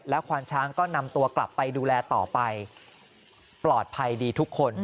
ควานช้างก็นำตัวกลับไปดูแลต่อไปปลอดภัยดีทุกคน